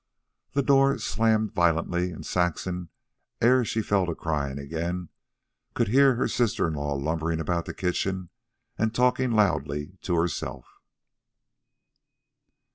The door slammed violently, and Saxon, ere she fell to crying again, could hear her sister in law lumbering about the kitchen and talking loudly to herself.